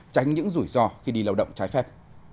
tránh những rủi ro khi đi lao động trái phép